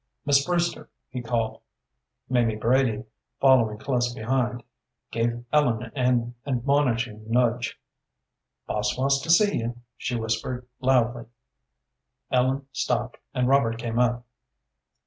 "Miss Brewster!" he called. Mamie Brady, following close behind, gave Ellen an admonishing nudge. "Boss wants to see you," she whispered, loudly. Ellen stopped, and Robert came up.